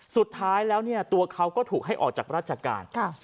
สุดท้ายแล้วเนี่ยตัวเขาก็ถูกให้ออกจากราชการ